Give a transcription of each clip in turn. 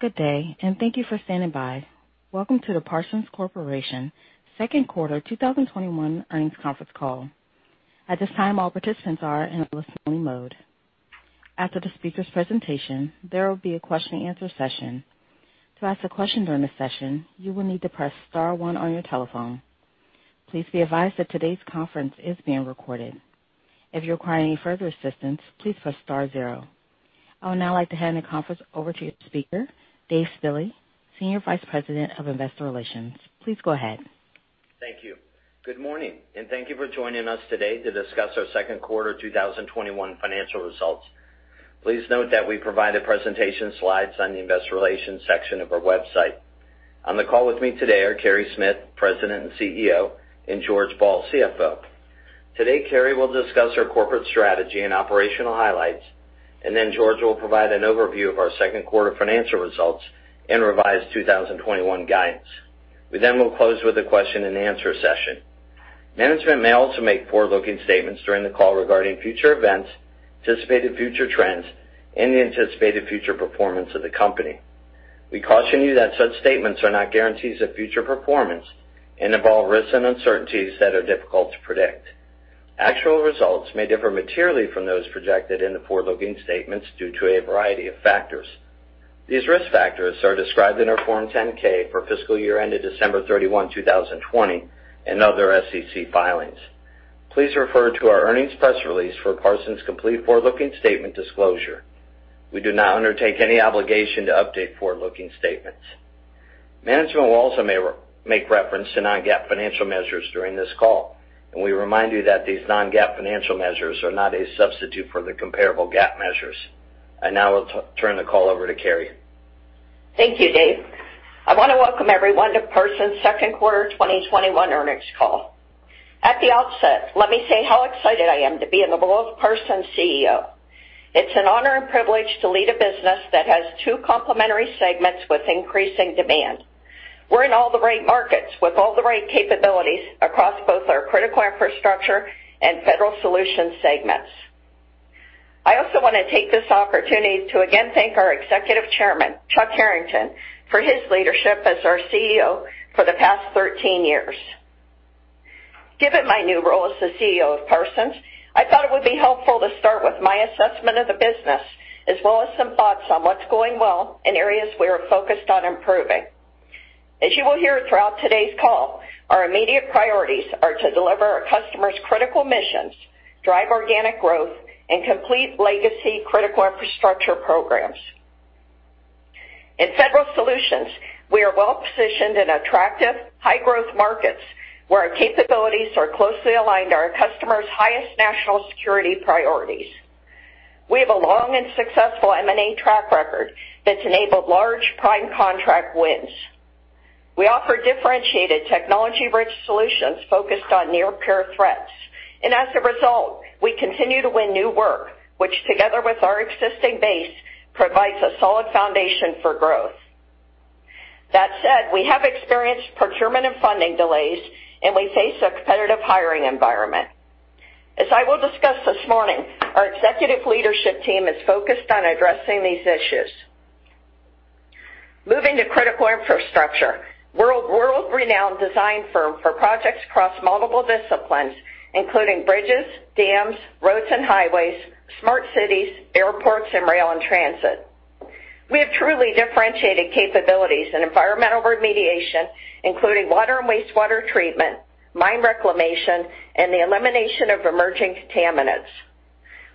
Good day. Thank you for standing by. Welcome to the Parsons Corporation second quarter 2021 earnings conference call. At this time, all participants are in a listening mode. After the speaker's presentation, there will be a question and answer session. To ask a question during the session, you will need to press star one on your telephone. Please be advised that today's conference is being recorded. If you require any further assistance, please press star zero. I would now like to hand the conference over to your speaker, Dave Spille, Senior Vice President of Investor Relations. Please go ahead. Thank you. Good morning, and thank you for joining us today to discuss our second quarter 2021 financial results. Please note that we provide the presentation slides on the investor relations section of our website. On the call with me today are Carey Smith, President and CEO, and George Ball, CFO. Today, Carey will discuss our corporate strategy and operational highlights, and then George will provide an overview of our second quarter financial results and revised 2021 guidance. We then will close with a question and answer session. Management may also make forward-looking statements during the call regarding future events, anticipated future trends, and the anticipated future performance of the company. We caution you that such statements are not guarantees of future performance and involve risks and uncertainties that are difficult to predict. Actual results may differ materially from those projected in the forward-looking statements due to a variety of factors. These risk factors are described in our Form 10-K for fiscal year ended December 31, 2020, and other SEC filings. Please refer to our earnings press release for Parsons' complete forward-looking statement disclosure. We do not undertake any obligation to update forward-looking statements. Management will also make reference to non-GAAP financial measures during this call, and we remind you that these non-GAAP financial measures are not a substitute for the comparable GAAP measures. I now will turn the call over to Carey. Thank you, Dave. I want to welcome everyone to Parsons' second quarter 2021 earnings call. At the outset, let me say how excited I am to be in the role of Parsons' CEO. It's an honor and privilege to lead a business that has two complementary segments with increasing demand. We're in all the right markets with all the right capabilities across both our Critical Infrastructure and Federal Solutions segments. I also want to take this opportunity to again thank our Executive Chairman, Chuck Harrington, for his leadership as our CEO for the past 13 years. Given my new role as the CEO of Parsons, I thought it would be helpful to start with my assessment of the business, as well as some thoughts on what's going well and areas we are focused on improving. As you will hear throughout today's call, our immediate priorities are to deliver our customers critical missions, drive organic growth, and complete legacy Critical Infrastructure programs. In Federal Solutions, we are well positioned in attractive, high growth markets where our capabilities are closely aligned to our customers' highest national security priorities. We have a long and successful M&A track record that's enabled large prime contract wins. We offer differentiated technology-rich solutions focused on near-peer threats. As a result, we continue to win new work, which together with our existing base, provides a solid foundation for growth. That said, we have experienced procurement and funding delays. We face a competitive hiring environment. As I will discuss this morning, our executive leadership team is focused on addressing these issues. Moving to Critical Infrastructure, world-renowned design firm for projects across multiple disciplines, including bridges, dams, roads and highways, smart cities, airports, and rail and transit. We have truly differentiated capabilities in environmental remediation, including water and wastewater treatment, mine reclamation, and the elimination of emerging contaminants.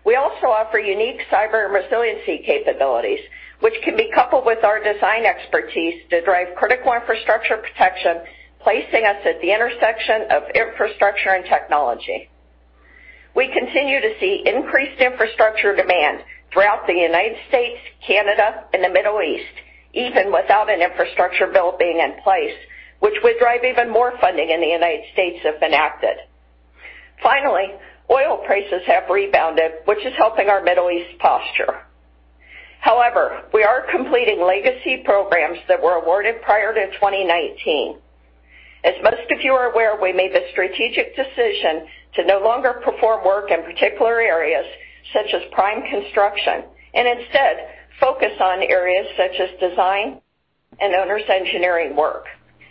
We also offer unique cyber and resiliency capabilities, which can be coupled with our design expertise to drive critical infrastructure protection, placing us at the intersection of infrastructure and technology. We continue to see increased infrastructure demand throughout the United States, Canada, and the Middle East, even without an infrastructure bill being in place, which would drive even more funding in the United States if enacted. Finally, oil prices have rebounded, which is helping our Middle East posture. However, we are completing legacy programs that were awarded prior to 2019. As most of you are aware, we made the strategic decision to no longer perform work in particular areas such as prime construction, and instead focus on areas such as design and owner's engineering work.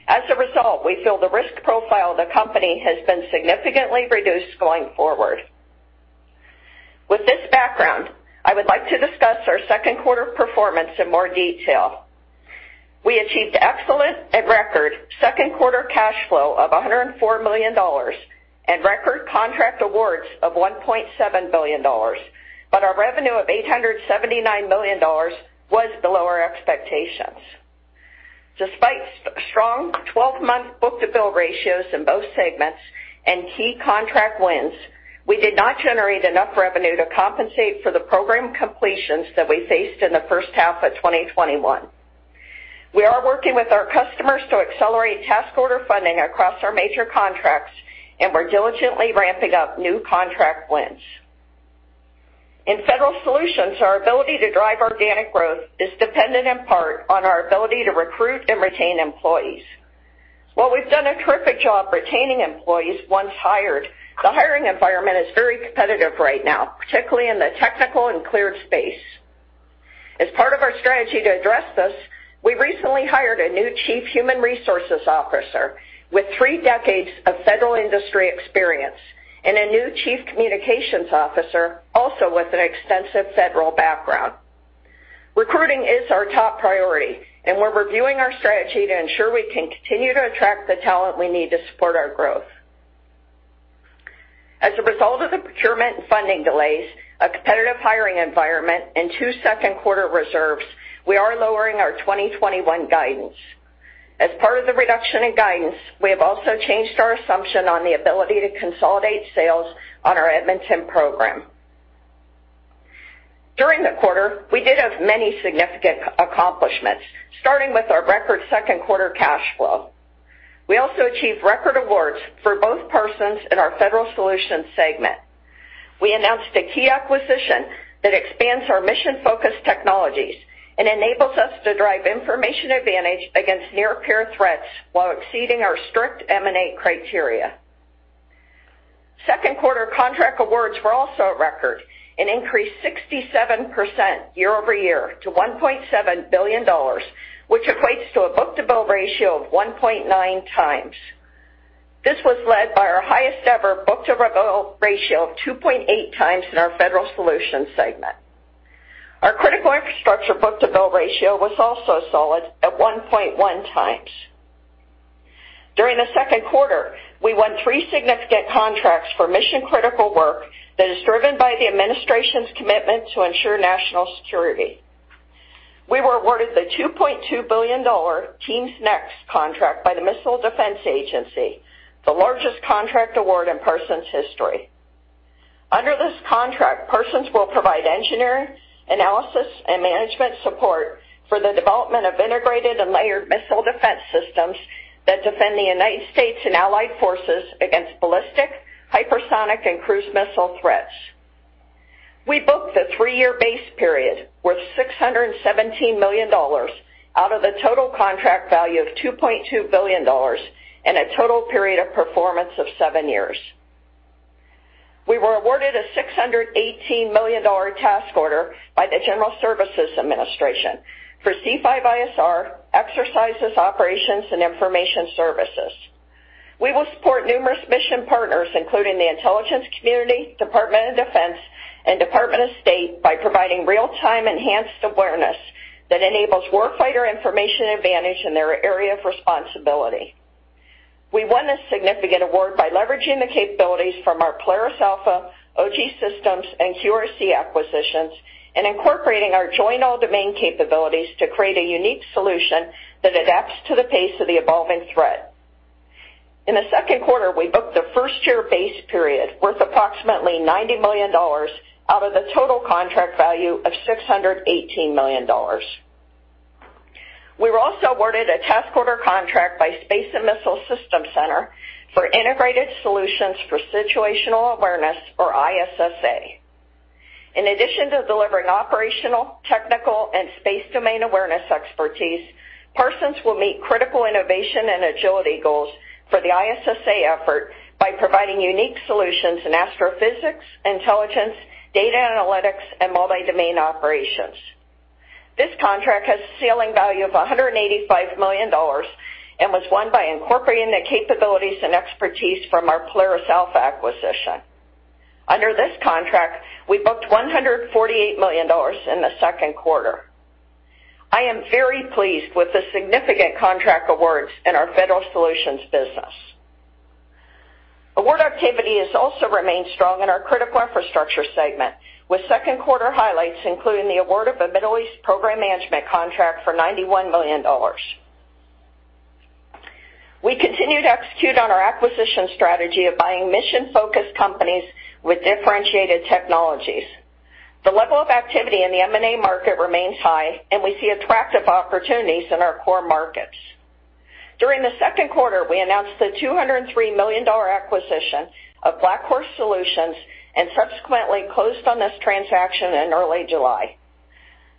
As a result, we feel the risk profile of the company has been significantly reduced going forward. With this background, I would like to discuss our second quarter performance in more detail. We achieved excellent and record second quarter cash flow of $104 million and record contract awards of $1.7 billion. Our revenue of $879 million was below our expectations. Despite strong 12-month book-to-bill ratios in both segments and key contract wins, we did not generate enough revenue to compensate for the program completions that we faced in the first half of 2021. We are working with our customers to accelerate task order funding across our major contracts, and we're diligently ramping up new contract wins. In Federal Solutions, our ability to drive organic growth is dependent in part on our ability to recruit and retain employees. While we've done a terrific job retaining employees once hired, the hiring environment is very competitive right now, particularly in the technical and cleared space. As part of our strategy to address this, we recently hired a new Chief Human Resources Officer with three decades of federal industry experience and a new Chief Communications Officer, also with an extensive federal background. Recruiting is our top priority, and we're reviewing our strategy to ensure we can continue to attract the talent we need to support our growth. As a result of the procurement and funding delays, a competitive hiring environment, and two second quarter reserves, we are lowering our 2021 guidance. As part of the reduction in guidance, we have also changed our assumption on the ability to consolidate sales on our Edmonton program. During the quarter, we did have many significant accomplishments, starting with our record second quarter cash flow. We also achieved record awards for both Parsons and our Federal Solutions segment. We announced a key acquisition that expands our mission-focused technologies and enables us to drive information advantage against near-peer threats while exceeding our strict M&A criteria. Second quarter contract awards were also a record, and increased 67% year-over-year to $1.7 billion, which equates to a book-to-bill ratio of 1.9x. This was led by our highest-ever book-to-bill ratio of 2.8x in our Federal Solutions segment. Our Critical Infrastructure book-to-bill ratio was also solid at 1.1x. During the second quarter, we won three significant contracts for mission-critical work that is driven by the administration's commitment to ensure national security. We were awarded the $2.2 billion TEAMS-Next contract by the Missile Defense Agency, the largest contract award in Parsons' history. Under this contract, Parsons will provide engineering, analysis, and management support for the development of integrated and layered missile defense systems that defend the United States and allied forces against ballistic, hypersonic, and cruise missile threats. We booked the three-year base period worth $617 million out of the total contract value of $2.2 billion and a total period of performance of seven years. We were awarded a $618 million task order by the General Services Administration for C5ISR exercises, operations, and information services. We will support numerous mission partners, including the intelligence community, Department of Defense, and Department of State, by providing real-time enhanced awareness that enables war fighter information advantage in their area of responsibility. We won this significant award by leveraging the capabilities from our Polaris Alpha, OGSystems, and QRC acquisitions and incorporating our joint all-domain capabilities to create a unique solution that adapts to the pace of the evolving threat. In the second quarter, we booked the first-year base period, worth approximately $90 million out of the total contract value of $618 million. We were also awarded a task order contract by Space and Missile Systems Center for Integrated Solutions for Situational Awareness, or ISSA. In addition to delivering operational, technical, and space domain awareness expertise, Parsons will meet critical innovation and agility goals for the ISSA effort by providing unique solutions in astrophysics, intelligence, data analytics, and multi-domain operations. This contract has a ceiling value of $185 million and was won by incorporating the capabilities and expertise from our Polaris Alpha acquisition. Under this contract, we booked $148 million in the second quarter. I am very pleased with the significant contract awards in our Federal Solutions business. Award activity has also remained strong in our Critical Infrastructure segment, with second quarter highlights including the award of a Middle East program management contract for $91 million. We continue to execute on our acquisition strategy of buying mission-focused companies with differentiated technologies. The level of activity in the M&A market remains high, and we see attractive opportunities in our core markets. During the second quarter, we announced the $203 million acquisition of BlackHorse Solutions and subsequently closed on this transaction in early July.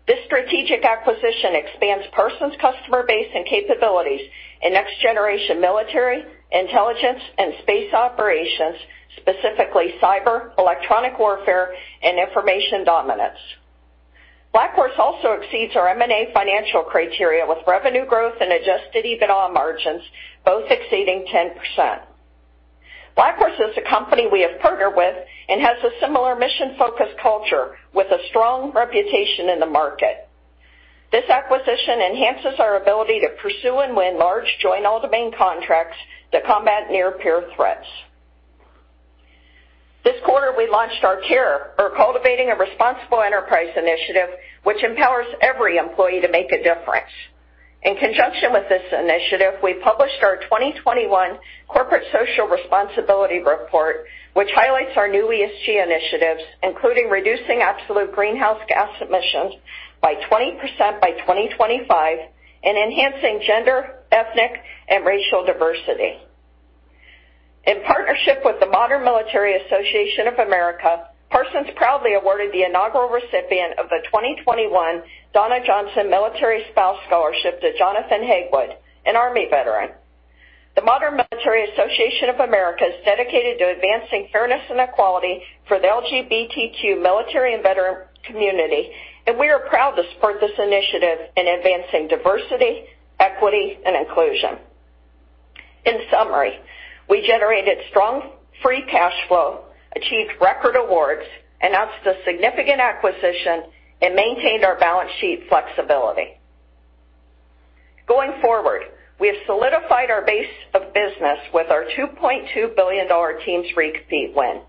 This strategic acquisition expands Parsons' customer base and capabilities in next-generation military, intelligence, and space operations, specifically cyber, electronic warfare, and information dominance. BlackHorse also exceeds our M&A financial criteria, with revenue growth and adjusted EBITDA margins both exceeding 10%. BlackHorse is a company we have partnered with and has a similar mission-focused culture with a strong reputation in the market. This acquisition enhances our ability to pursue and win large joint all-domain contracts that combat near-peer threats. This quarter, we launched our CARE, or Cultivating a Responsible Enterprise initiative, which empowers every employee to make a difference. In conjunction with this initiative, we published our 2021 corporate social responsibility report, which highlights our new ESG initiatives, including reducing absolute greenhouse gas emissions by 20% by 2025 and enhancing gender, ethnic, and racial diversity. In partnership with the Modern Military Association of America, Parsons proudly awarded the inaugural recipient of the 2021 Donna Johnson Military Spouse Scholarship to Jonathan Hagwood, an Army veteran. The Modern Military Association of America is dedicated to advancing fairness and equality for the LGBTQ military and veteran community, and we are proud to support this initiative in advancing diversity, equity, and inclusion. In summary, we generated strong free cash flow, achieved record awards, announced a significant acquisition, and maintained our balance sheet flexibility. Going forward, we have solidified our base of business with our $2.2 billion TEAMS recompete win.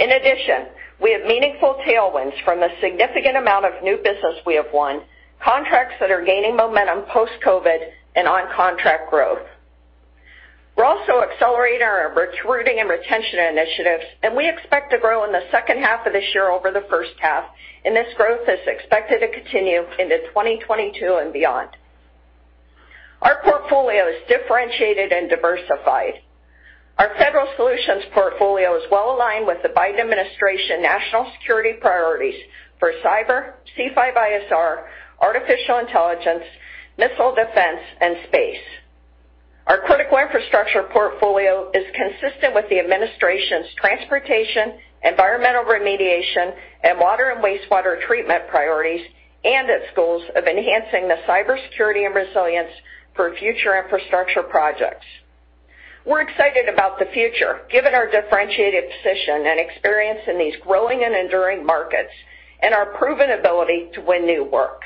In addition, we have meaningful tailwinds from the significant amount of new business we have won, contracts that are gaining momentum post-COVID, and on contract growth. We're also accelerating our recruiting and retention initiatives, and we expect to grow in the second half of this year over the first half, and this growth is expected to continue into 2022 and beyond. Our portfolio is differentiated and diversified. Our Federal Solutions portfolio is well-aligned with the Biden administration national security priorities for cyber, C5ISR, artificial intelligence, missile defense, and space. Our Critical Infrastructure portfolio is consistent with the administration's transportation, environmental remediation, and water and wastewater treatment priorities, and its goals of enhancing the cybersecurity and resilience for future infrastructure projects. We're excited about the future, given our differentiated position and experience in these growing and enduring markets, and our proven ability to win new work.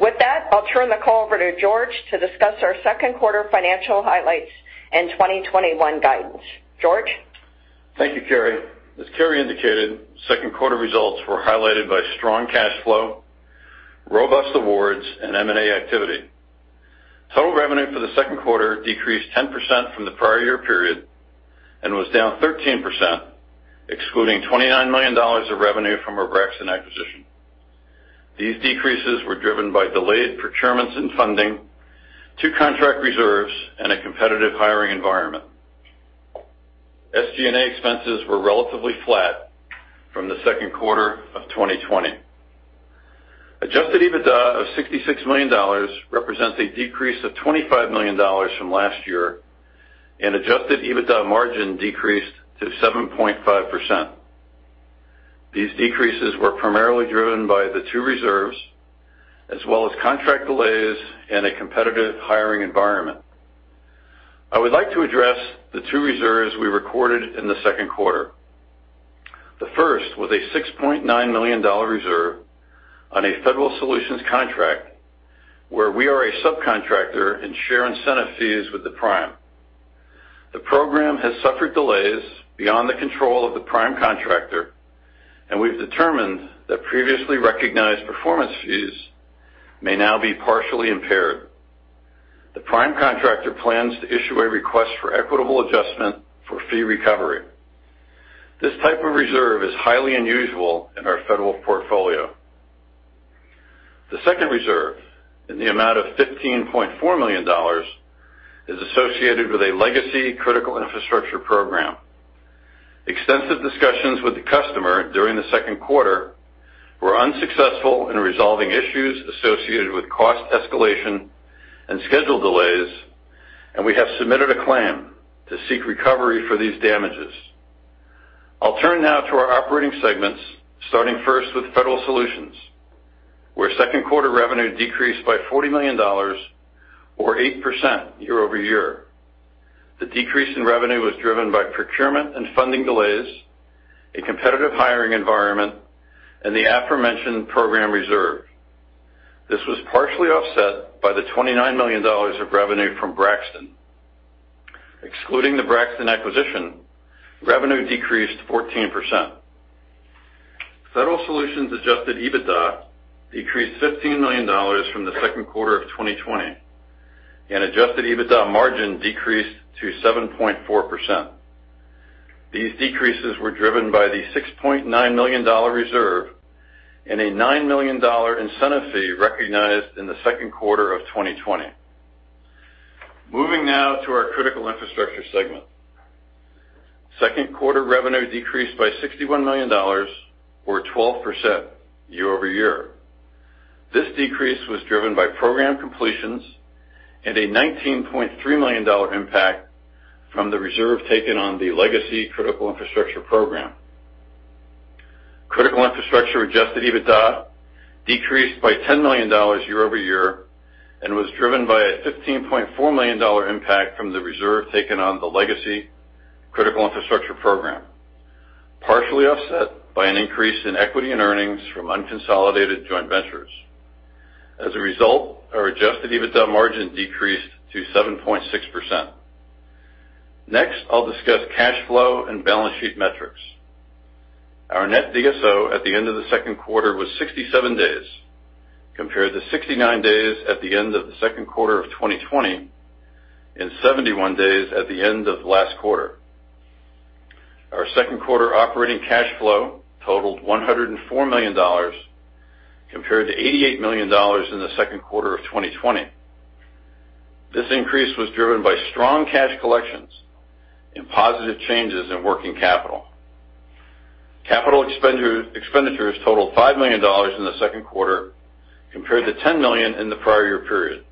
With that, I'll turn the call over to George to discuss our second quarter financial highlights and 2021 guidance. George? Thank you, Carey. As Carey indicated, second quarter results were highlighted by strong cash flow, robust awards, and M&A activity. Total revenue for the second quarter decreased 10% from the prior year period and was down 13%, excluding $29 million of revenue from our Braxton acquisition. These decreases were driven by delayed procurements and funding, two contract reserves, and a competitive hiring environment. SG&A expenses were relatively flat from the second quarter of 2020. Adjusted EBITDA of $66 million represents a decrease of $25 million from last year, and adjusted EBITDA margin decreased to 7.5%. These decreases were primarily driven by the two reserves, as well as contract delays and a competitive hiring environment. I would like to address the two reserves we recorded in the second quarter. The first was a $6.9 million reserve on a Federal Solutions contract where we are a subcontractor and share incentive fees with the prime. The program has suffered delays beyond the control of the prime contractor, and we've determined that previously recognized performance fees may now be partially impaired. The prime contractor plans to issue a request for equitable adjustment for fee recovery. This type of reserve is highly unusual in our federal portfolio. The second reserve, in the amount of $15.4 million, is associated with a legacy Critical Infrastructure program. Extensive discussions with the customer during the second quarter were unsuccessful in resolving issues associated with cost escalation and schedule delays, and we have submitted a claim to seek recovery for these damages. I'll turn now to our operating segments, starting first with Federal Solutions, where second quarter revenue decreased by $40 million, or 8% year-over-year. The decrease in revenue was driven by procurement and funding delays, a competitive hiring environment, and the aforementioned program reserve. This was partially offset by the $29 million of revenue from Braxton. Excluding the Braxton acquisition, revenue decreased 14%. Federal Solutions adjusted EBITDA decreased $15 million from the second quarter of 2020, and adjusted EBITDA margin decreased to 7.4%. These decreases were driven by the $6.9 million reserve and a $9 million incentive fee recognized in the second quarter of 2020. Moving now to our Critical Infrastructure segment. Second quarter revenue decreased by $61 million, or 12% year-over-year. This decrease was driven by program completions and a $19.3 million impact from the reserve taken on the legacy critical infrastructure program. Critical Infrastructure Adjusted EBITDA decreased by $10 million year-over-year and was driven by a $15.4 million impact from the reserve taken on the legacy critical infrastructure program, partially offset by an increase in equity and earnings from unconsolidated joint ventures. As a result, our Adjusted EBITDA margin decreased to 7.6%. Next, I'll discuss cash flow and balance sheet metrics. Our net DSO at the end of the second quarter was 67 days, compared to 69 days at the end of the second quarter of 2020 and 71 days at the end of last quarter. Our second quarter operating cash flow totaled $104 million compared to $88 million in the second quarter of 2020. This increase was driven by strong cash collections and positive changes in working capital. Capital expenditures totaled $5 million in the second quarter compared to $10 million in the prior year period.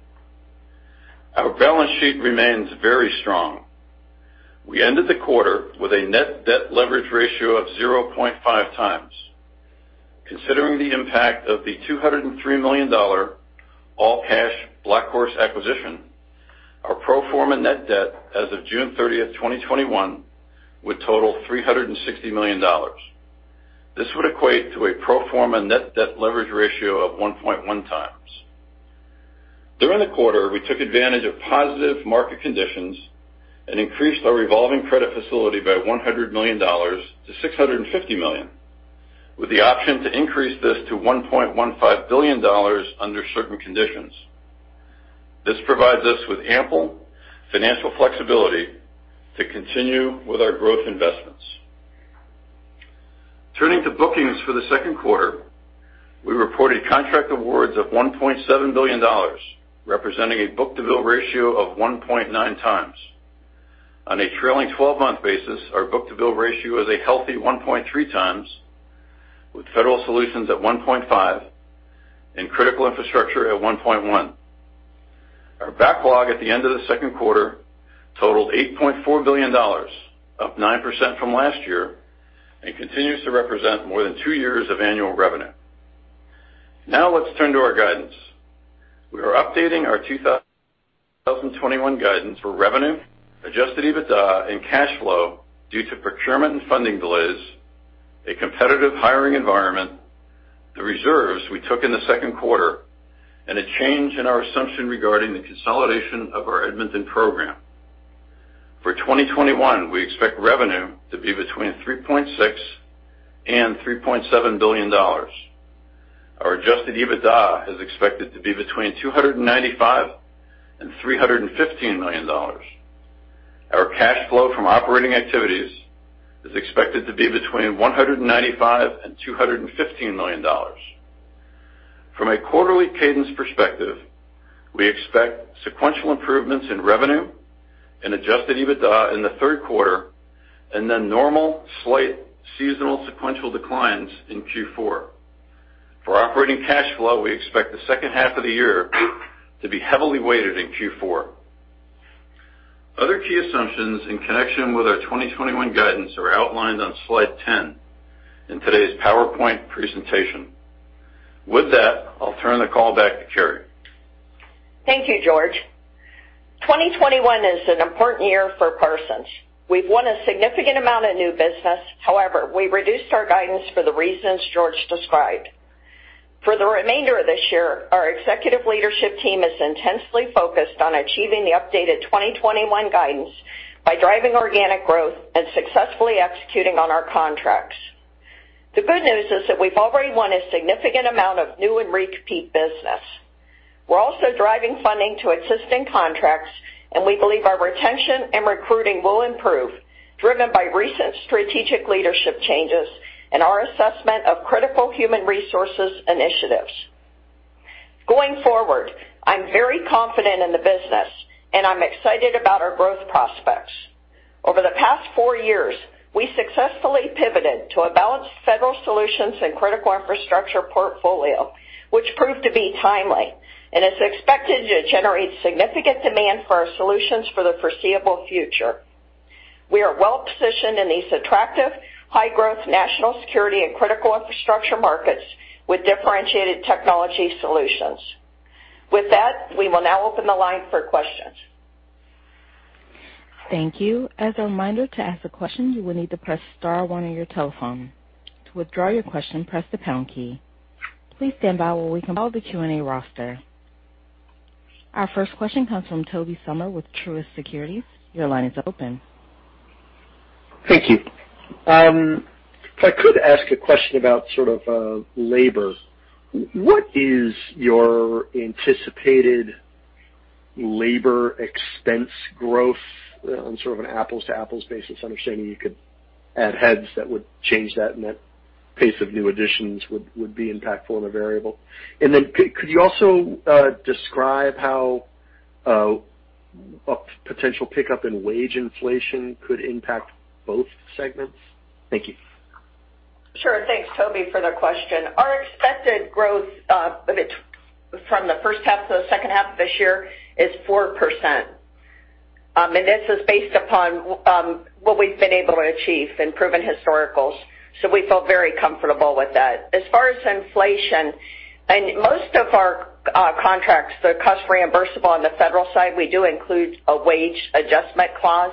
Our balance sheet remains very strong. We ended the quarter with a net debt leverage ratio of 0.5x. Considering the impact of the $203 million all-cash BlackHorse acquisition, our pro forma net debt as of June 30th, 2021, would total $360 million. This would equate to a pro forma net debt leverage ratio of 1.1x. During the quarter, we took advantage of positive market conditions and increased our revolving credit facility by $100 million to $650 million, with the option to increase this to $1.15 billion under certain conditions. This provides us with ample financial flexibility to continue with our growth investments. Turning to bookings for the second quarter, we reported contract awards of $1.7 billion, representing a book-to-bill ratio of 1.9x. On a trailing 12-month basis, our book-to-bill ratio is a healthy 1.3x, with Federal Solutions at 1.5x, and Critical Infrastructure at 1.1x. Our backlog at the end of the second quarter totaled $8.4 billion, up 9% from last year, and continues to represent more than two years of annual revenue. Now let's turn to our guidance. We are updating our 2021 guidance for revenue, Adjusted EBITDA, and cash flow due to procurement and funding delays, a competitive hiring environment, the reserves we took in the second quarter, and a change in our assumption regarding the consolidation of our Edmonton program. For 2021, we expect revenue to be between $3.6 and $3.7 billion. Our Adjusted EBITDA is expected to be between $295 and $315 million. Our cash flow from operating activities is expected to be between $195 and $215 million. From a quarterly cadence perspective, we expect sequential improvements in revenue and Adjusted EBITDA in the third quarter, and then normal, slight seasonal sequential declines in Q4. For operating cash flow, we expect the second half of the year to be heavily weighted in Q4. Other key assumptions in connection with our 2021 guidance are outlined on slide 10 in today's PowerPoint presentation. With that, I'll turn the call back to Carey. Thank you, George. 2021 is an important year for Parsons. We've won a significant amount of new business. We reduced our guidance for the reasons George described. For the remainder of this year, our executive leadership team is intensely focused on achieving the updated 2021 guidance by driving organic growth and successfully executing on our contracts. The good news is that we've already won a significant amount of new and repeat business. We're also driving funding to existing contracts, and we believe our retention and recruiting will improve, driven by recent strategic leadership changes and our assessment of critical human resources initiatives. Going forward, I'm very confident in the business, and I'm excited about our growth prospects. Over the past four years, we successfully pivoted to a balanced Federal Solutions and Critical Infrastructure portfolio, which proved to be timely, and is expected to generate significant demand for our solutions for the foreseeable future. We are well positioned in these attractive, high growth national security and Critical Infrastructure markets with differentiated technology solutions. With that, we will now open the line for questions. Thank you. As a reminder, to ask a question, you will need to press star one on your telephone. To withdraw your question, press the pound key. Please stand by while we compile the Q&A roster. Our first question comes from Tobey Sommer with Truist Securities. Your line is open. Thank you. If I could ask a question about labor. What is your anticipated labor expense growth on an apples-to-apples basis, understanding you could add heads that would change that, and that pace of new additions would be impactful in a variable? Could you also describe how a potential pickup in wage inflation could impact both segments? Thank you. Sure. Thanks, Tobey, for the question. Our expected growth from the first half to the second half of this year is 4%. This is based upon what we've been able to achieve in proven historicals. We feel very comfortable with that. As far as inflation, and most of our contracts, the cost reimbursable on the Federal side, we do include a wage adjustment clause.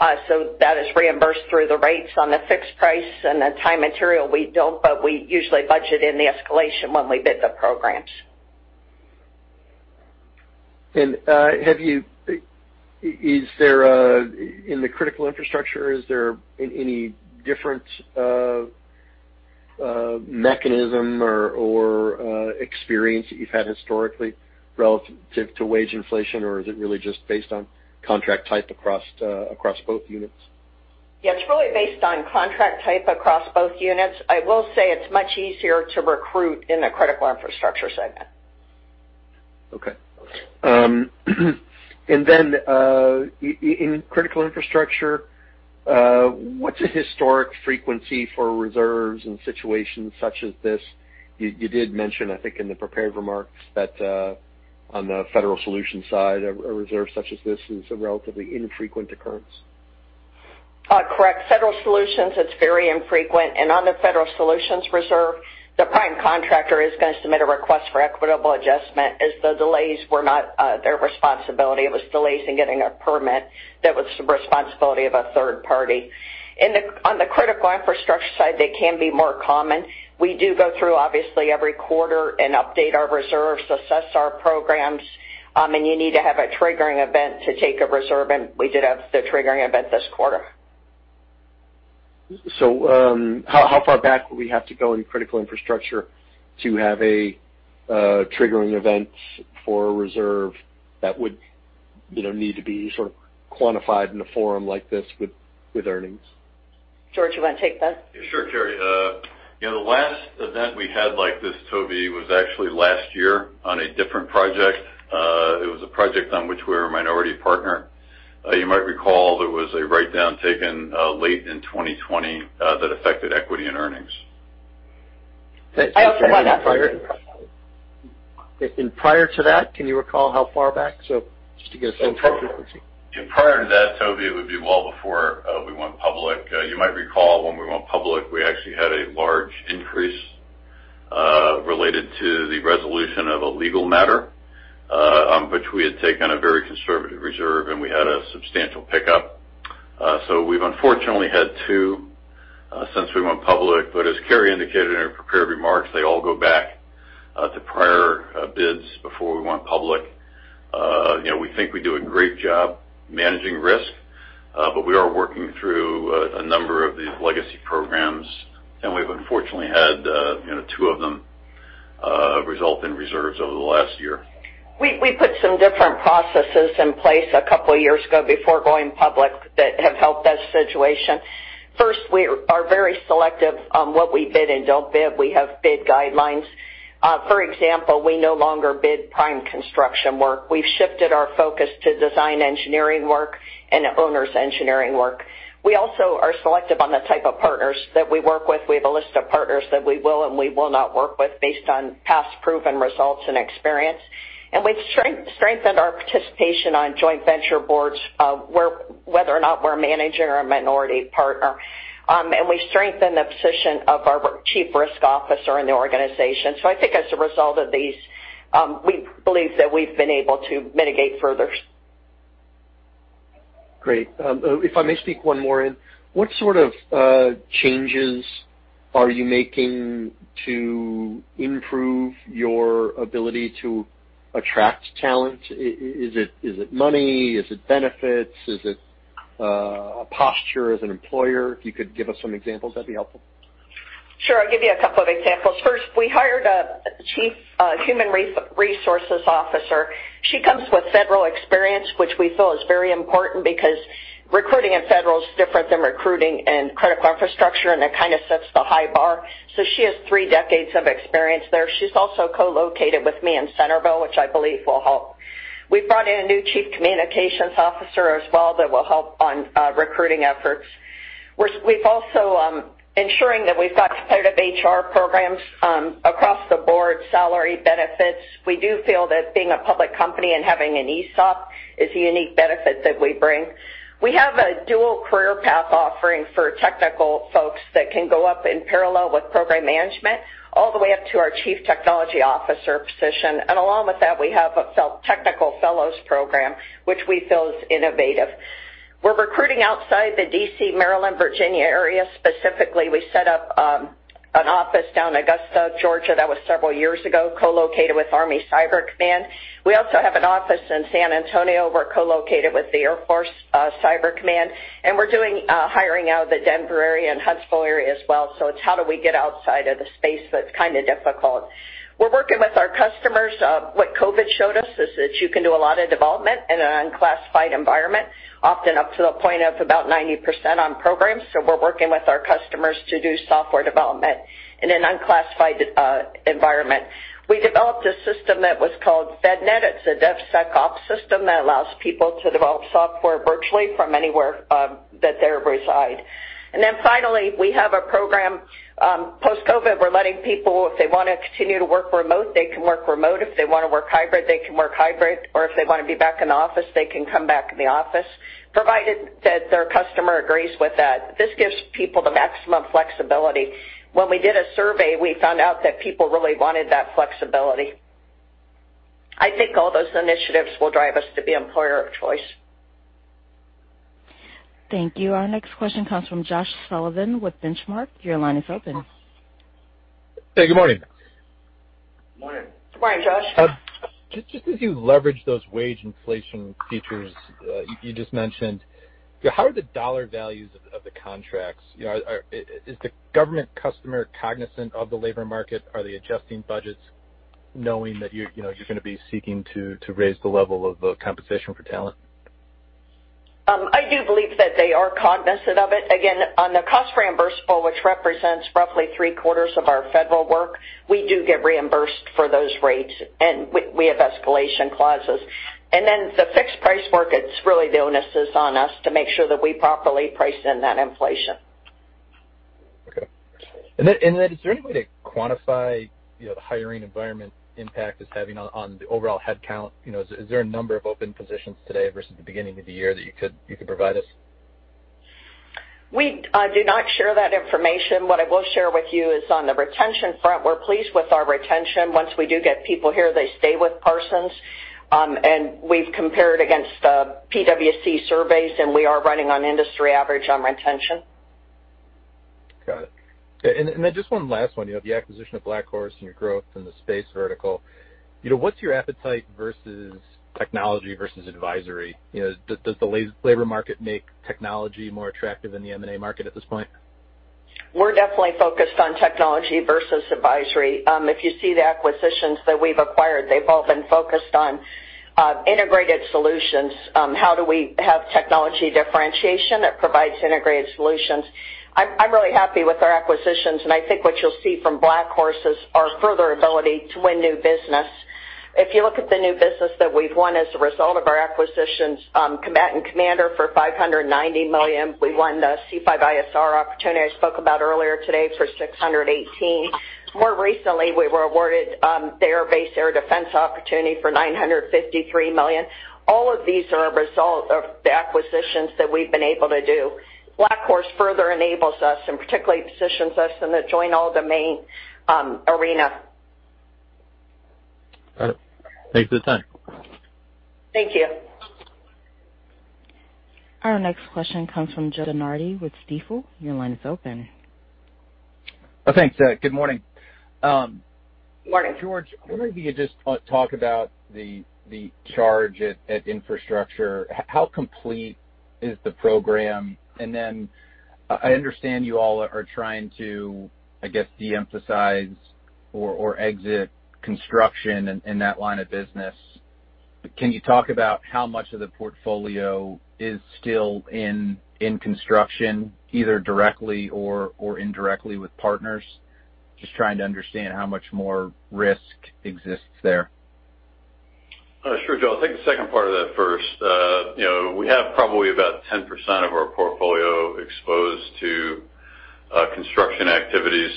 That is reimbursed through the rates on the fixed price, and the time material, we don't, but we usually budget in the escalation when we bid the programs. In the Critical Infrastructure, is there any difference of mechanism or experience that you've had historically relative to wage inflation, or is it really just based on contract type across both units? Yeah, it's really based on contract type across both units. I will say it's much easier to recruit in the Critical Infrastructure segment. Okay. And then in Critical Infrastructure, what's a historic frequency for reserves in situations such as this? You did mention, I think, in the prepared remarks that on the Federal Solutions side, a reserve such as this is a relatively infrequent occurrence. Correct. Federal Solutions, it's very infrequent. On the Federal Solutions reserve, the prime contractor is going to submit a request for equitable adjustment, as the delays were not their responsibility. It was delays in getting a permit that was the responsibility of a third party. On the Critical Infrastructure side, they can be more common. We do go through, obviously, every quarter and update our reserves, assess our programs. You need to have a triggering event to take a reserve, and we did have the triggering event this quarter. How far back would we have to go in Critical Infrastructure to have a triggering events for a reserve that would need to be quantified in a forum like this with earnings? George, you want to take that? Sure, Carey. You know, the last event we had like this, Tobey, was actually last year on a different project. It was a project on which we were a minority partner. You might recall there was a write-down taken late in 2020 that affected equity and earnings. I also- And prior to that, can you recall how far back? Just to give some type of frequency. Prior to that, Tobey, it would be well before we went public. You might recall when we went public, we actually had a large increase related to the resolution of a legal matter, on which we had taken a very conservative reserve, and we had a substantial pickup. We've unfortunately had two since we went public. As Carey indicated in her prepared remarks, they all go back to prior bids before we went public. We think we do a great job managing risk, but we are working through a number of these legacy programs, and we've unfortunately had two of them result in reserves over the last year. We put some different processes in place a couple of years ago before going public that have helped that situation. First, we are very selective on what we bid and don't bid. We have bid guidelines. For example, we no longer bid prime construction work. We've shifted our focus to design engineering work and owner's engineering work. We also are selective on the type of partners that we work with. We have a list of partners that we will and we will not work with based on past proven results and experience. We've strengthened our participation on joint venture boards, whether or not we're a manager or a minority partner. We've strengthened the position of our Chief Risk Officer in the organization. I think as a result of these, we believe that we've been able to mitigate further. Great. If I may speak one more in, what sort of changes are you making to improve your ability to attract talent? Is it money? Is it benefits? Is it a posture as an employer? If you could give us some examples, that'd be helpful. Sure. I'll give you two examples. First, we hired a Chief Human Resources Officer. She comes with Federal experience, which we feel is very important because recruiting in Federal is different than recruiting in Critical Infrastructure. It kind of sets the high bar. She has three decades of experience there. She's also co-located with me in Centreville, which I believe will help. We've brought in a new chief communications officer as well that will help on recruiting efforts. We're also ensuring that we've got competitive HR programs across the board, salary benefits. We do feel that being a public company and having an ESOP is a unique benefit that we bring. We have a dual career path offering for technical folks that can go up in parallel with program management, all the way up to our Chief Technology Officer position. Along with that, we have a technical fellows program, which we feel is innovative. We're recruiting outside the D.C., Maryland, Virginia area specifically. We set up an office down in Augusta, Georgia, that was several years ago, co-located with Army Cyber Command. We also have an office in San Antonio. We're co-located with the Air Force Cyber Command, and we're doing hiring out of the Denver area and Huntsville area as well. It's how do we get outside of the space that's kind of difficult. We're working with our customers. What COVID showed us is that you can do a lot of development in an unclassified environment, often up to the point of about 90% on programs. We're working with our customers to do software development in an unclassified environment. We developed a system that was called FedNet. It's a DevSecOps system that allows people to develop software virtually from anywhere that they reside. Finally, we have a program, post-COVID, we're letting people, if they want to continue to work remote, they can work remote. If they want to work hybrid, they can work hybrid, or if they want to be back in the office, they can come back in the office, provided that their customer agrees with that. This gives people the maximum flexibility. When we did a survey, we found out that people really wanted that flexibility. I think all those initiatives will drive us to be employer of choice. Thank you. Our next question comes from Josh Sullivan with Benchmark. Your line is open. Hey, good morning. Morning. Morning, Josh. Just as you leverage those wage inflation features you just mentioned, how are the dollar values of the contracts? Is the government customer cognizant of the labor market? Are they adjusting budgets knowing that you're going to be seeking to raise the level of compensation for talent? I do believe that they are cognizant of it. On the cost reimbursable, which represents roughly three-quarters of our Federal work, we do get reimbursed for those rates, and we have escalation clauses. The fixed price work, it's really the onus is on us to make sure that we properly price in that inflation. Okay. Is there any way to quantify the hiring environment impact it's having on the overall headcount? Is there a number of open positions today versus the beginning of the year that you could provide us? We do not share that information. What I will share with you is on the retention front, we're pleased with our retention. Once we do get people here, they stay with Parsons. We've compared against PwC surveys, and we are running on industry average on retention. Got it. Just one last one. You have the acquisition of BlackHorse and your growth in the space vertical. What's your appetite versus technology versus advisory? Does the labor market make technology more attractive than the M&A market at this point? We're definitely focused on technology versus advisory. If you see the acquisitions that we've acquired, they've all been focused on integrated solutions. How do we have technology differentiation that provides integrated solutions? I'm really happy with our acquisitions, and I think what you'll see from BlackHorse is our further ability to win new business. If you look at the new business that we've won as a result of our acquisitions, Combatant Commander for $590 million. We won the C5ISR opportunity I spoke about earlier today for $618. More recently, we were awarded the Air Base Air Defense opportunity for $953 million. All of these are a result of the acquisitions that we've been able to do. BlackHorse further enables us, and particularly positions us in the joint all-domain arena. Got it. Thank you for your time. Thank you. Our next question comes from Joe DeNardi with Stifel. Your line is open. Thanks. Good morning. Morning. George, I wonder if you could just talk about the charge at Infrastructure. How complete is the program? I understand you all are trying to, I guess, de-emphasize or exit construction in that line of business. Can you talk about how much of the portfolio is still in construction, either directly or indirectly with partners? Trying to understand how much more risk exists there. Sure, Joe. I'll take the second part of that first. We have probably about 10% of our portfolio exposed to construction activities.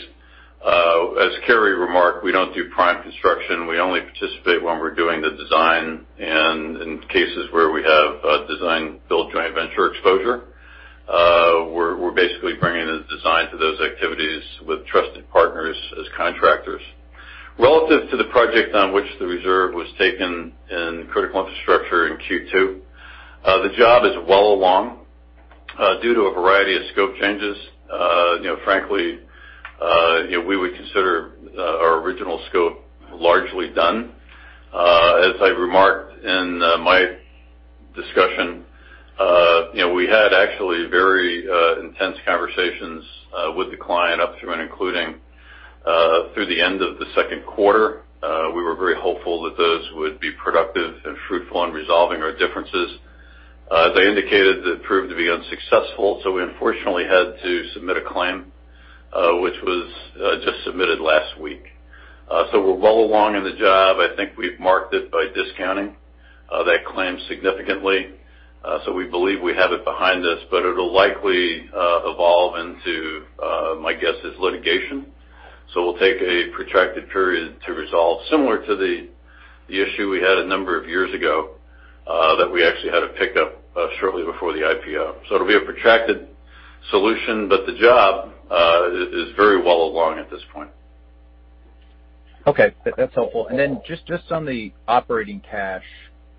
As Carey remarked, we don't do prime construction. We only participate when we're doing the design, and in cases where we have a design-build joint venture exposure. We're basically bringing the design to those activities with trusted partners as contractors. Relative to the project on which the reserve was taken in Critical Infrastructure in Q2, the job is well along due to a variety of scope changes. Frankly, we would consider our original scope largely done. As I remarked in my discussion, we had actually very intense conversations with the client up to and including through the end of the second quarter. We were very hopeful that those would be productive and fruitful in resolving our differences. As I indicated, that proved to be unsuccessful, so we unfortunately had to submit a claim, which was just submitted last week. We're well along in the job. I think we've marked it by discounting that claim significantly. We believe we have it behind us, but it'll likely evolve into, my guess is litigation. We'll take a protracted period to resolve, similar to the issue we had a number of years ago, that we actually had to pick up shortly before the IPO. It'll be a protracted solution, but the job is very well along at this point. Okay. That's helpful. Just on the operating cash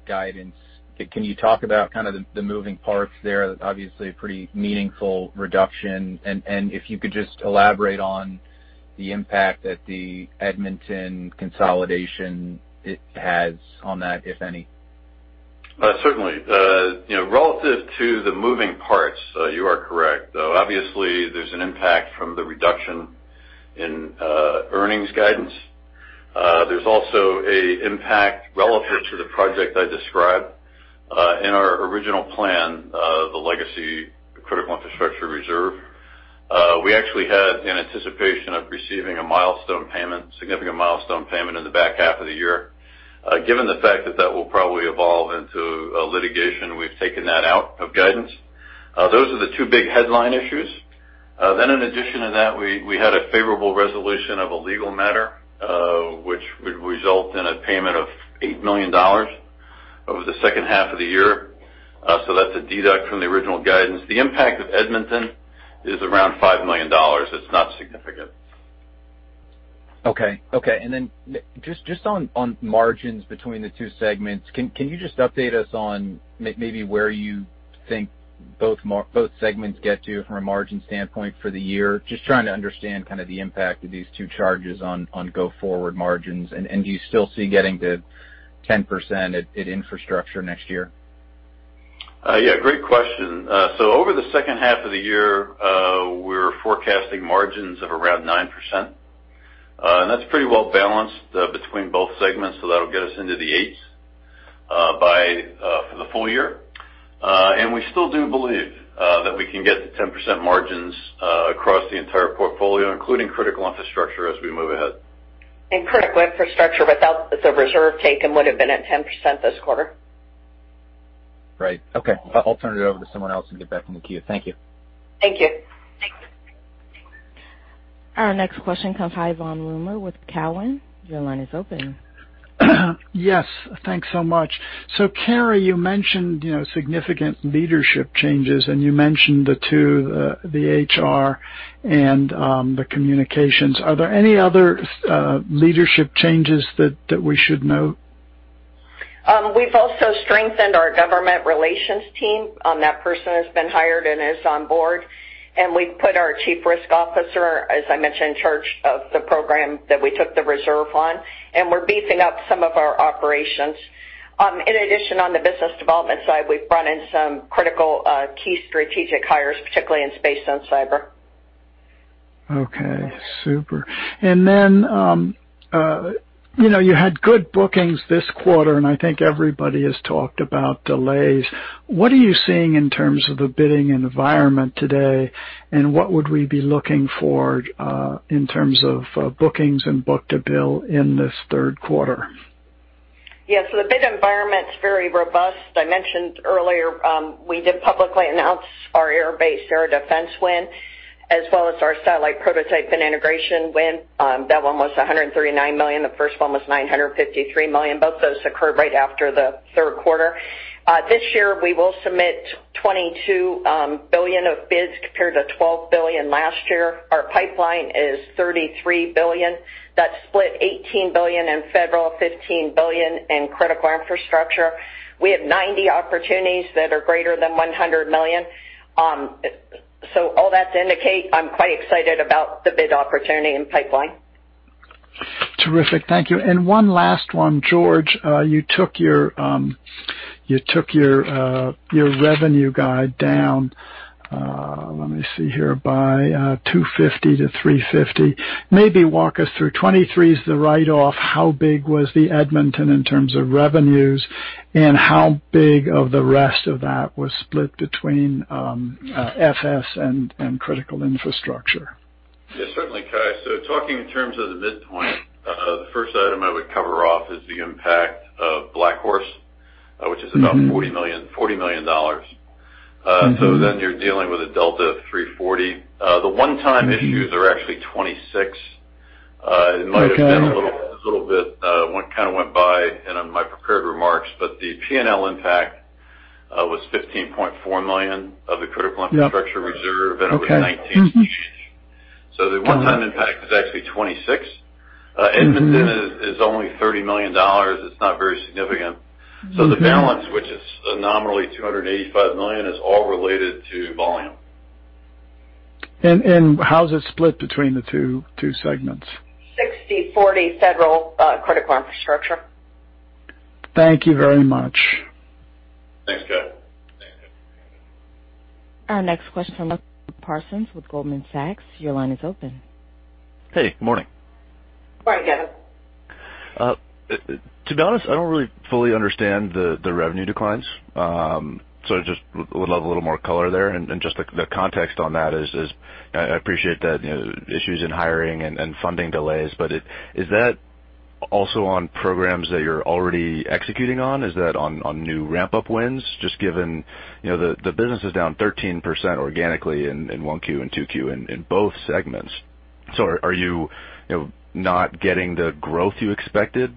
guidance, can you talk about kind of the moving parts there? Obviously, a pretty meaningful reduction. If you could just elaborate on the impact that the Edmonton consolidation has on that, if any. Certainly. Relative to the moving parts, you are correct, though obviously there's an impact from the reduction in earnings guidance. There's also a impact relative to the project I described. In our original plan, the legacy Critical Infrastructure reserve, we actually had in anticipation of receiving a milestone payment, significant milestone payment in the back half of the year. Given the fact that that will probably evolve into a litigation, we've taken that out of guidance. Those are the two big headline issues. In addition to that, we had a favorable resolution of a legal matter, which would result in a payment of $8 million over the second half of the year. That's a deduct from the original guidance. The impact of Edmonton is around $5 million. It's not significant. Okay. Just on margins between the two segments, can you just update us on maybe where you think both segments get to from a margin standpoint for the year. Just trying to understand the impact of these two charges on go-forward margins. Do you still see getting to 10% at Infrastructure next year? Yeah, great question. Over the second half of the year, we're forecasting margins of around 9%, and that's pretty well balanced between both segments. That'll get us into the eights for the full year. We still do believe that we can get to 10% margins across the entire portfolio, including Critical Infrastructure, as we move ahead. Critical Infrastructure without the reserve taken would have been at 10% this quarter. Right. Okay. I'll turn it over to someone else and get back in the queue. Thank you. Thank you. Our next question comes. Hi, Cai von Rumohr with Cowen. Your line is open. Yes, thanks so much. Carey, you mentioned significant leadership changes, and you mentioned the two, the HR and the Communications. Are there any other leadership changes that we should note? We've also strengthened our government relations team. That person has been hired and is on board, and we've put our Chief Risk Officer, as I mentioned, charge of the program that we took the reserve on, and we're beefing up some of our operations. In addition, on the business development side, we've brought in some critical key strategic hires, particularly in space and cyber. Okay, super. You had good bookings this quarter, and I think everybody has talked about delays. What are you seeing in terms of the bidding environment today, and what would we be looking for in terms of bookings and book-to-bill in this third quarter? Yes, the bid environment's very robust. I mentioned earlier, we did publicly announce our Air Base Air Defense win, as well as our satellite prototype and integration win. That one was $139 million. The first one was $953 million. Both those occurred right after the third quarter. This year, we will submit $22 billion of bids compared to $12 billion last year. Our pipeline is $33 billion. That's split $18 billion in Federal, $15 billion in Critical Infrastructure. We have 90 opportunities that are greater than $100 million. All that to indicate I'm quite excited about the bid opportunity and pipeline. Terrific. Thank you. One last one, George. You took your revenue guide down, let me see here, by $250 million-$350 million. Maybe walk us through. 23's the write-off. How big was the Edmonton in terms of revenues, and how big of the rest of that was split between FS and Critical Infrastructure? Yes, certainly, Cai. Talking in terms of the midpoint, the first item I would cover off is the impact of BlackHorse, which is about $40 million. You're dealing with a delta of $340 million. The one-time issues are actually $26 million. It might have been a little bit what kind of went by in my prepared remarks, but the P&L impact was $15.4 million of the Critical Infrastructure reserve, and it was $19 million. The one-time impact is actually $26 million. Edmonton is only $30 million. It's not very significant. The balance, which is nominally $285 million, is all related to volume. How is it split between the two segments? 60/40 Federal, Critical Infrastructure. Thank you very much. Thanks, Cai. Our next question from Parsons with Goldman Sachs. Your line is open. Hey, good morning. Morning, Gavin. To be honest, I don't really fully understand the revenue declines. I just would love a little more color there and just the context on that is I appreciate that issues in hiring and funding delays, but is that also on programs that you're already executing on? Is that on new ramp-up wins? Just given the business is down 13% organically in Q1 and Q2 in both segments. Are you not getting the growth you expected,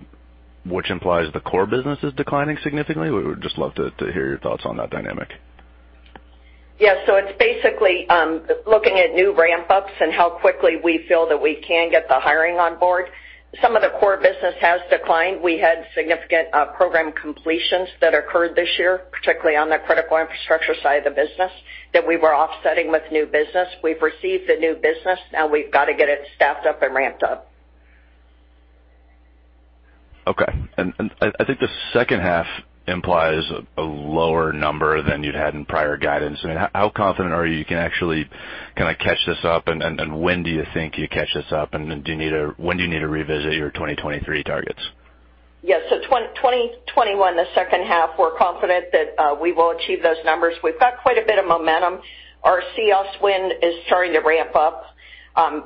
which implies the core business is declining significantly? We would just love to hear your thoughts on that dynamic. Yeah. It's basically looking at new ramp-ups and how quickly we feel that we can get the hiring on board. Some of the core business has declined. We had significant program completions that occurred this year, particularly on the Critical Infrastructure side of the business, that we were offsetting with new business. We've received the new business. Now we've got to get it staffed up and ramped up. Okay. I think the second half implies a lower number than you'd had in prior guidance. I mean, how confident are you can actually kind of catch this up, and when do you think you catch this up? When do you need to revisit your 2023 targets? Yes. 2021, the second half, we're confident that we will achieve those numbers. We've got quite a bit of momentum. Our CEOS win is starting to ramp up.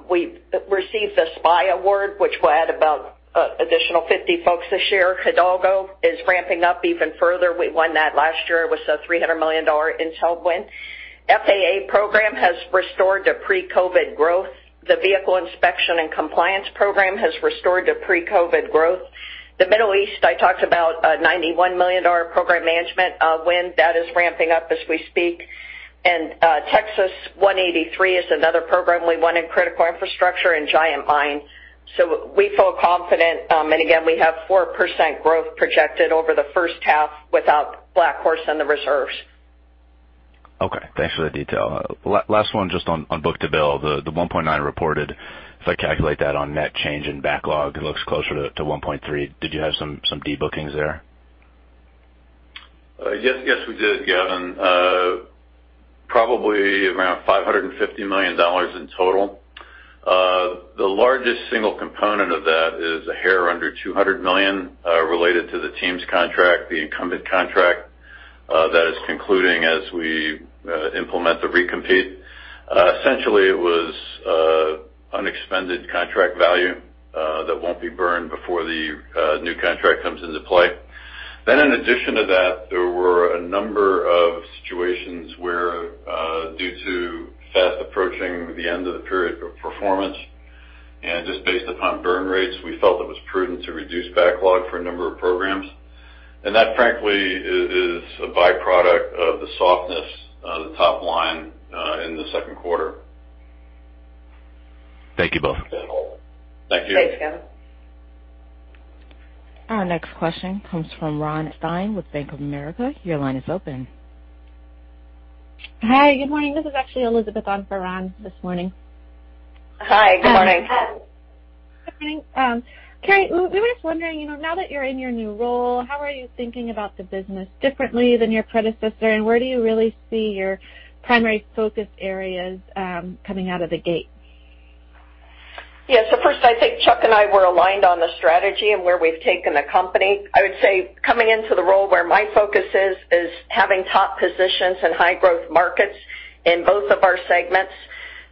We've received the SPI award, which will add about additional 50 folks this year. Hidalgo is ramping up even further. We won that last year. It was a $300 million intel win. FAA program has restored to pre-COVID growth. The Vehicle Inspection and Compliance program has restored to pre-COVID growth. The Middle East, I talked about a $91 million program management win. That is ramping up as we speak. Texas 183 is another program we won in Critical Infrastructure and Giant Mine. So we feel confident. Again, we have 4% growth projected over the first half without BlackHorse and the reserves. Okay. Thanks for the detail. Last one, just on book-to-bill, the 1.9 reported. If I calculate that on net change in backlog, it looks closer to 1.3. Did you have some debookings there? Yes, we did, Gavin. Probably around $550 million in total. The largest single component of that is a hair under $200 million, related to the TEAMS contract, the incumbent contract, that is concluding as we implement the recompete. Essentially, it was unexpended contract value that won't be burned before the new contract comes into play. In addition to that, there were a number of situations where, due to fast approaching the end of the period of performance and just based upon burn rates, we felt it was prudent to reduce backlog for a number of programs. That, frankly, is a byproduct of the softness of the top line in the second quarter. Thank you both. Thank you. Thanks, Gavin. Our next question comes from Ron Epstein with Bank of America. Your line is open. Hi, good morning. This is actually Elizabeth on for Ron this morning. Hi, good morning. Good morning. Carey, we were just wondering, now that you're in your new role, how are you thinking about the business differently than your predecessor, and where do you really see your primary focus areas coming out of the gate? Yeah. First, I think Chuck and I were aligned on the strategy and where we've taken the company. I would say coming into the role where my focus is having top positions in high growth markets in both of our segments.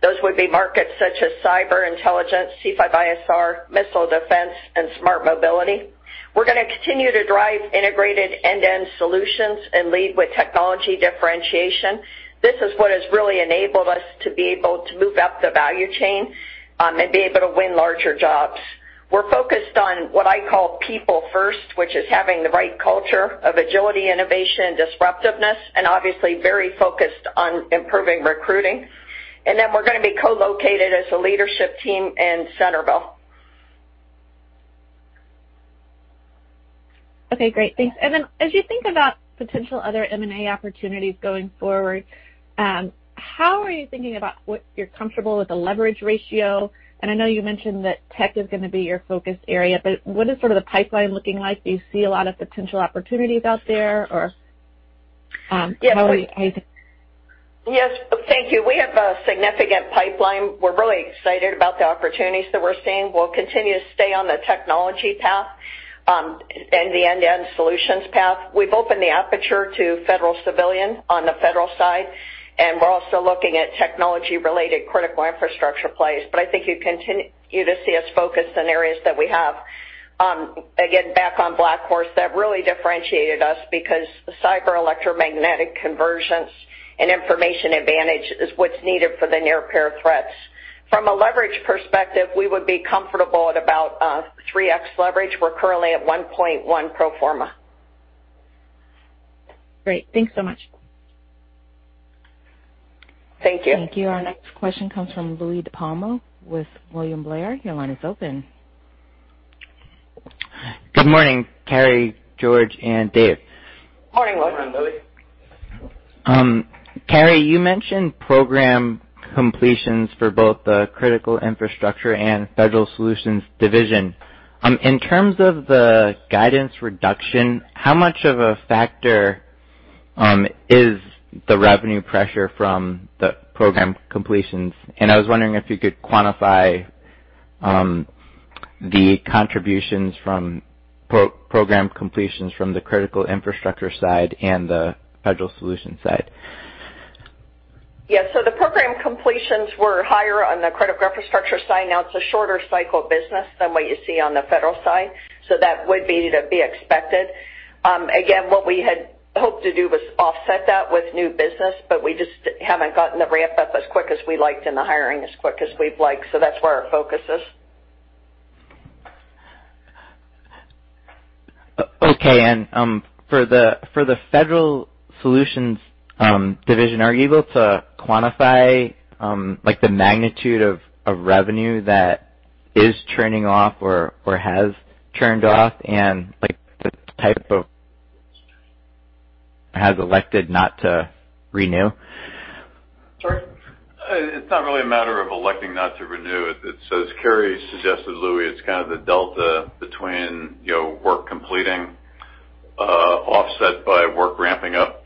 Those would be markets such as cyber intelligence, C5ISR, missile defense, and smart mobility. We're going to continue to drive integrated end-to-end solutions and lead with technology differentiation. This is what has really enabled us to be able to move up the value chain and be able to win larger jobs. We're focused on what I call people first, which is having the right culture of agility, innovation, disruptiveness, and obviously very focused on improving recruiting. Then we're going to be co-located as a leadership team in Centreville. Okay, great. Thanks. As you think about potential other M&A opportunities going forward, how are you thinking about what you're comfortable with the leverage ratio? I know you mentioned that tech is going to be your focus area, but what is sort of the pipeline looking like? Do you see a lot of potential opportunities out there, or how are you thinking? Yes. Thank you. We have a significant pipeline. We're really excited about the opportunities that we're seeing. We'll continue to stay on the technology path, and the end-to-end solutions path. We've opened the aperture to federal civilian on the federal side, and we're also looking at technology-related Critical Infrastructure plays. I think you'll continue to see us focus on areas that we have. Again, back on BlackHorse, that really differentiated us because the cyber electromagnetic conversions and information advantage is what's needed for the near peer threats. From a leverage perspective, we would be comfortable at about 3X leverage. We're currently at 1.1 pro forma. Great. Thanks so much. Thank you. Thank you. Our next question comes from Louie DiPalma with William Blair. Your line is open. Good morning, Carey, George, and Dave. Morning, Louie. Morning, Louie. Carey, you mentioned program completions for both the Critical Infrastructure and Federal Solutions division. In terms of the guidance reduction, how much of a factor is the revenue pressure from the program completions? I was wondering if you could quantify the contributions from program completions from the Critical Infrastructure side and the Federal Solutions side. Yeah. The program completions were higher on the Critical Infrastructure side. Now it's a shorter cycle business than what you see on the Federal side, so that would be to be expected. Again, what we had hoped to do was offset that with new business, but we just haven't gotten the ramp-up as quick as we liked and the hiring as quick as we'd like. That's where our focus is. Okay. For the Federal Solutions division, are you able to quantify the magnitude of revenue that is turning off or has turned off and the type of has elected not to renew? Sorry. It's not really a matter of electing not to renew. As Carey suggested, Louie, it's kind of the delta between work completing, offset by work ramping up.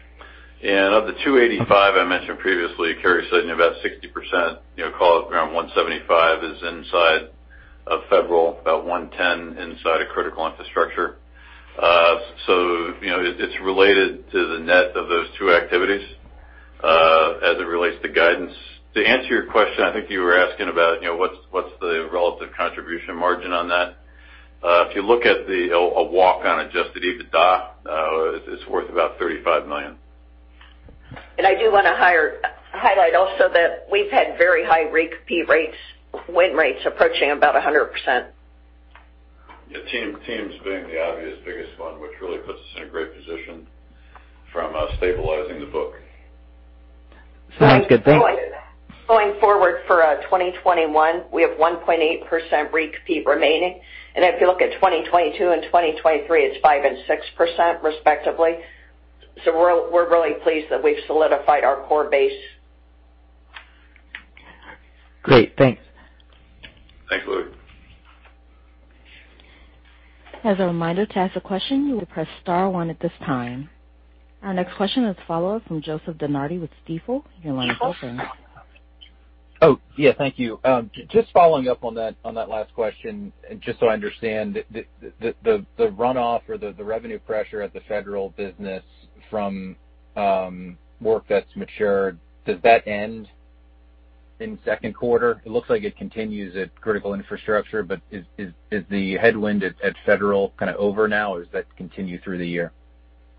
Of the 285 I mentioned previously, Carey said about 60%, call it around 175, is inside of Federal, about 110 inside of Critical Infrastructure. It's related to the net of those two activities, as it relates to guidance. To answer your question, I think you were asking about what's the relative contribution margin on that. If you look at a walk on Adjusted EBITDA, it's worth about $35 million. I do want to highlight also that we've had very high recompete rates, win rates approaching about 100%. Yeah, TEAMS being the obvious biggest one, which really puts us in a great position from stabilizing the book. Sounds good. Thanks. Going forward for 2021, we have 1.8% repeat remaining. If you look at 2022 and 2023, it's 5% and 6%, respectively. We're really pleased that we've solidified our core base. Great, thanks. Thanks, Louie. As a reminder, to ask a question, you will press star one at this time. Our next question is a follow-up from Joseph DeNardi with Stifel. Your line is open. Oh, yeah. Thank you. Just following up on that last question, just so I understand, the runoff or the revenue pressure at the Federal business from work that's matured, does that end in the second quarter? It looks like it continues at Critical Infrastructure, but is the headwind at Federal kind of over now, or does that continue through the year?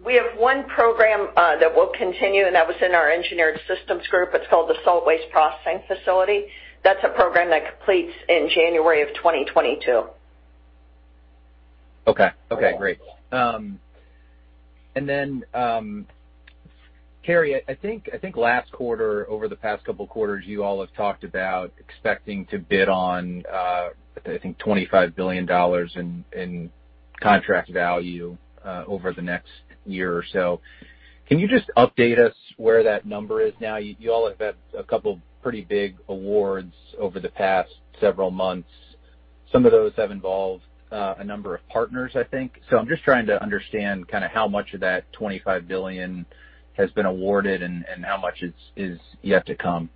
We have one program that will continue, and that was in our engineered systems group. It's called the Solid Waste Processing Facility. That's a program that completes in January of 2022. Okay. Great. Carey, I think last quarter, over the past couple of quarters, you all have talked about expecting to bid on, I think, $25 billion in contract value over the next year or so. Can you just update us where that number is now? You all have had a couple pretty big awards over the past several months. Some of those have involved a number of partners, I think. I'm just trying to understand kind of how much of that $25 billion has been awarded and how much is yet to come.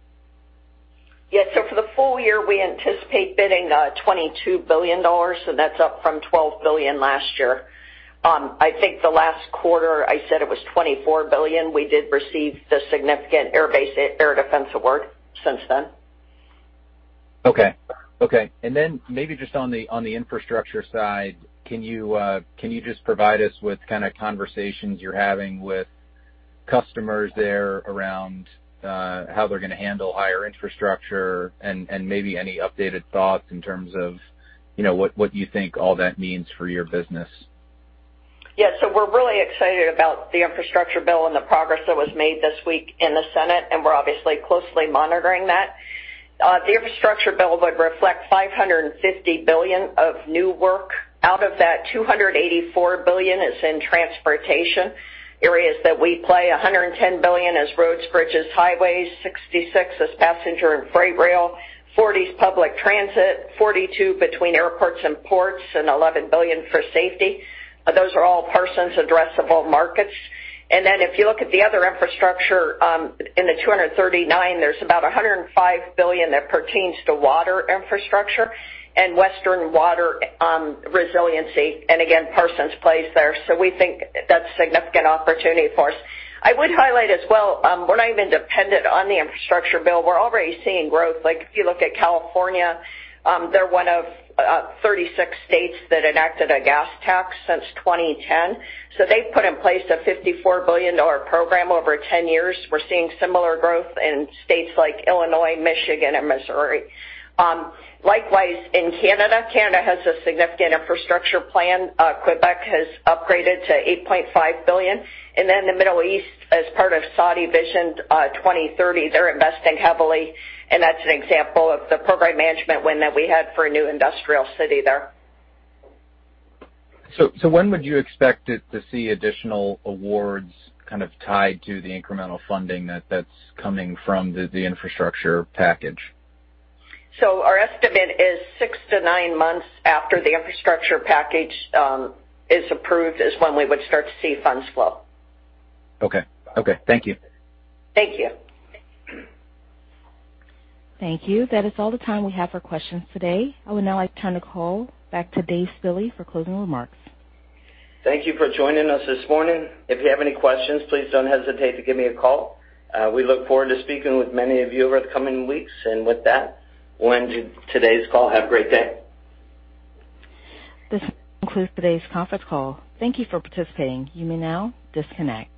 Yeah. For the full year, we anticipate bidding $22 billion, that's up from $12 billion last year. I think the last quarter I said it was $24 billion. We did receive the significant Air Base Air Defense Award since then. Okay. Then maybe just on the infrastructure side, can you just provide us with kind of conversations you're having with customers there around how they're going to handle higher infrastructure and maybe any updated thoughts in terms of what you think all that means for your business? We're really excited about the Infrastructure Bill and the progress that was made this week in the Senate, and we're obviously closely monitoring that. The Infrastructure Bill would reflect $550 billion of new work. Out of that, $284 billion is in transportation areas that we play, $110 billion is roads, bridges, highways, $66 billion is passenger and freight rail, $40 billion is public transit, $42 billion between airports and ports, and $11 billion for safety. Those are all Parsons addressable markets. If you look at the other infrastructure, in the $239 billion, there's about $105 billion that pertains to water infrastructure and western water resiliency, and again, Parsons plays there. We think that's a significant opportunity for us. I would highlight as well, we're not even dependent on the Infrastructure Bill. We're already seeing growth. If you look at California, they're one of 36 states that enacted a gas tax since 2010. They've put in place a $54 billion program over 10 years. We're seeing similar growth in states like Illinois, Michigan, and Missouri. Likewise, in Canada has a significant infrastructure plan. Quebec has upgraded to $8.5 billion. The Middle East, as part of Saudi Vision 2030, they're investing heavily, and that's an example of the program management win that we had for a new industrial city there. When would you expect to see additional awards kind of tied to the incremental funding that's coming from the infrastructure package? Our estimate is six to nine months after the infrastructure package is approved is when we would start to see funds flow. Okay, okay. Thank you. Thank you. Thank you. That is all the time we have for questions today. I would now like to turn the call back to Dave Spille for closing remarks. Thank you for joining us this morning. If you have any questions, please don't hesitate to give me a call. We look forward to speaking with many of you over the coming weeks. With that, we'll end today's call. Have a great day. This concludes today's conference call. Thank you for participating. You may now disconnect.